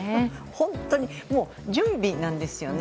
本当に、準備なんですよね。